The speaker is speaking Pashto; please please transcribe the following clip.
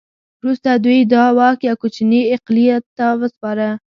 وروسته دوی دا واک یو کوچني اقلیت ته وسپاره.